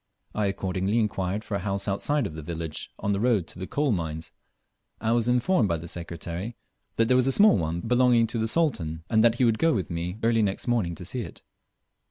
I accordingly inquired for a house outside of the village on the road to the coal mines, and was informed by the Secretary that there was a small one belonging to the Sultan, and that he would go with me early next morning to see it.